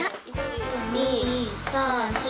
１・２・３・４。